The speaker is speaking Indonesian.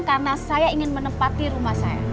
karena saya ingin menempati rumah saya